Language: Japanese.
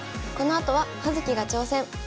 このあとは「葉月が挑戦！」。